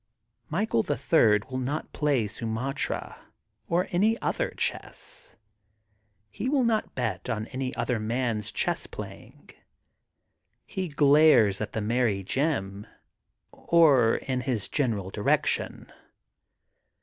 Michae], the Third, will not play Sumatra or any other chess. He will not bet on any other man 's chess playing. He glares at the merry Jim, or in his general direction.